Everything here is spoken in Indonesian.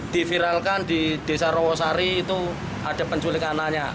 di viralkan di desa rawosari itu ada penculikan anaknya